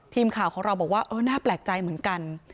ทีมข่าวของเราบอกว่าเออน่าแปลกใจเหมือนกัน